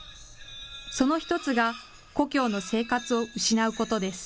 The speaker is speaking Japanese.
その１つが、故郷の生活を失うことです。